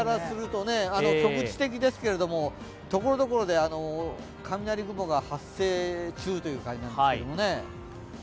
局地的ですけれども、ところどころで雷雲が発生中という感じですけれどもね。